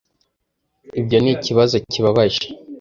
Ibyo nikibazo kibabaje.